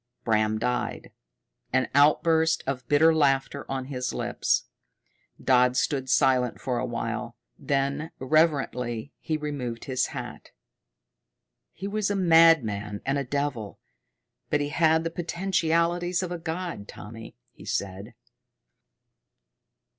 Bram died, an outburst of bitter laughter on his lips. Dodd stood silent for a while; then reverently he removed his hat. "He was a madman and a devil, but he had the potentialities of a god, Tommy," he said.